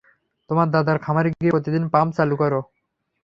তোমার দাদার খামারে গিয়ে প্রতিদিন পাম্প চালু করো।